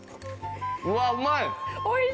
うわうまい！